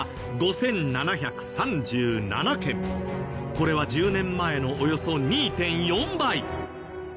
これは１０年前のおよそ２．４倍。